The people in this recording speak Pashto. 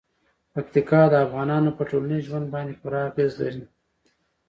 پکتیکا د افغانانو په ټولنیز ژوند باندې پوره اغېز لري.